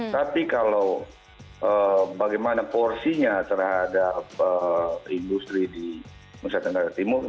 tapi kalau bagaimana porsinya terhadap industri di nusa tenggara timur